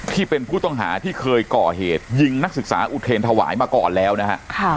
ที่เป็นผู้ต้องหาที่เคยก่อเหตุยิงนักศึกษาอุเทรนถวายมาก่อนแล้วนะฮะ